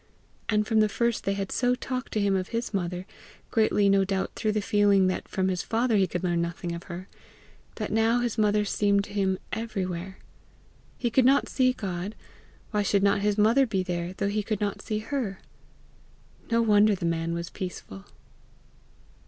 And from the first they had so talked to him of his mother, greatly no doubt through the feeling that from his father he could learn nothing of her, that now his mother seemed to him everywhere: he could not see God; why should not his mother be there though he could not see her! No wonder the man was peaceful!